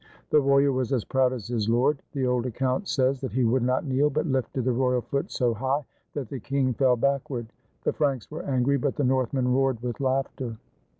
The warrior was as proud as his lord. The old account says that he would not kneel, but lifted the royal foot so high that the king fell back ward. The Franks were angry, but the Northmen roared with laughter.